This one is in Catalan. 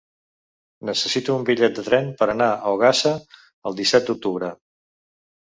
Necessito un bitllet de tren per anar a Ogassa el disset d'octubre.